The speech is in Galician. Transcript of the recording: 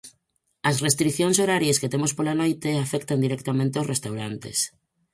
As restricións horarias que temos pola noite afectan directamente aos restaurantes.